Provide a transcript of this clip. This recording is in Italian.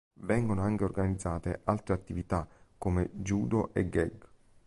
Vengono anche organizzate altre attività come judo e gag.